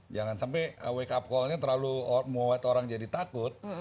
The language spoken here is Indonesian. jangan sampai wake up callnya terlalu membuat orang jadi takut